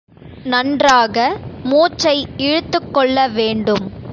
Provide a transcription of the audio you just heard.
நன்றாக மூச்சை இழுத்துக் கொள்ள வேண்டும்.